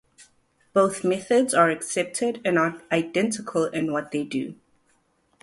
Both methods are accepted, and are identical in what they do.